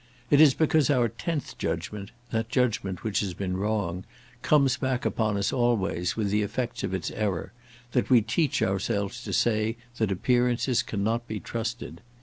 It is because our tenth judgment, that judgment which has been wrong, comes back upon us always with the effects of its error, that we teach ourselves to say that appearances cannot be trusted.